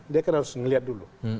dia kan harus melihat dulu